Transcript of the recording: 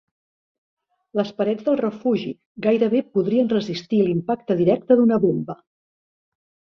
Les parets del refugi gairebé podrien resistir l'impacte directe d'una bomba.